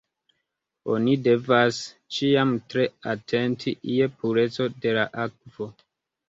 Oni devas ĉiam tre atenti je pureco de la akvo.